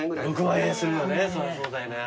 ６万円するよね